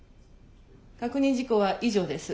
確認事項は以上です。